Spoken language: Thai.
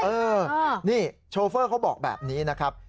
เออนี่โชเฟอร์เขาบอกแบบนี้นะครับ